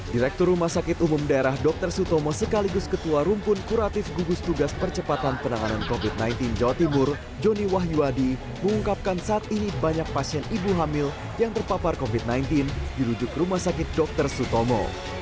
direktur rumah sakit umum daerah dr sutomo sekaligus ketua rumpun kuratif gugus tugas percepatan penanganan covid sembilan belas jawa timur joni wahyuadi mengungkapkan saat ini banyak pasien ibu hamil yang terpapar covid sembilan belas dirujuk rumah sakit dr sutomo